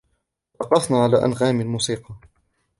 رقصنا على أنغام الموسيقى.